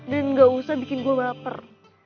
dan gak usah bikin gue baper